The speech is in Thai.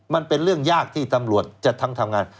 มันเป็นเรื่องยากที่ตำรวจจะทั้งทำงาน